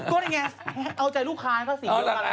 ก็เนี่ยเอาใจลูกค้านะครับสิ